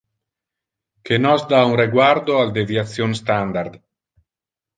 Que nos da un reguardo al deviation standard.